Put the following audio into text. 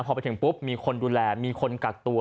พอไปถึงปุ๊บมีคนดูแลมีคนกักตัว